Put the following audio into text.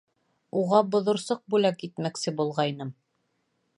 — Уға боҙорсоҡ бүләк итмәксе булғайным.